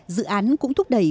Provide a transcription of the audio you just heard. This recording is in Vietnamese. dự án cũng thúc đẩy